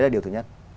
điều thứ nhất